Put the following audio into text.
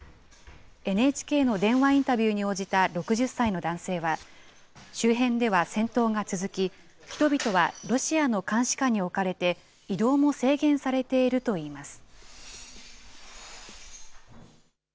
ＮＨＫの電話インタビューに応じた６０歳の男性は、周辺では戦闘が続き、人々はロシアの監視下に置かれて、移動も制限されているといいます。